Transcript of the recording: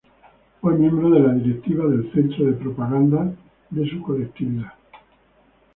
Fue miembro de la Directiva del Centro de Propaganda de su colectividad.